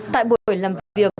tại buổi làm việc